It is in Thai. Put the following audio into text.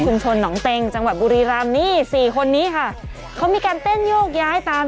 คุณชนหนองเต็งจังหวัดบุรีรำนี่สี่คนนี้ค่ะเขามีการเต้นโยกย้ายตาม